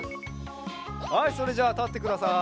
はいそれじゃあたってください。